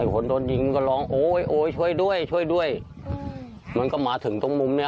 คนโดนยิงก็ร้องโอ๊ยโอ๊ยช่วยด้วยช่วยด้วยมันก็มาถึงตรงมุมเนี้ย